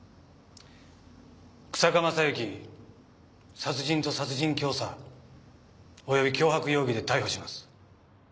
日下正幸殺人と殺人教唆及び脅迫容疑で逮捕します。